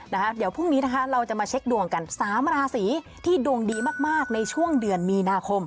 เดี๋ยวพรุ่งนี้นะคะเราจะมาเช็คดวงกัน๓ราศีที่ดวงดีมากในช่วงเดือนมีนาคม